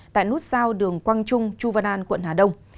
tại nút giao đường quang trung chu văn an quận hà đông